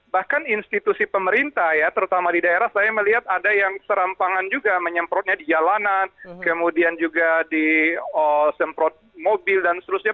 bahkan institusi pemerintah ya terutama di daerah saya melihat ada yang serampangan juga menyemprotnya di jalanan kemudian juga di semprot mobil dan seterusnya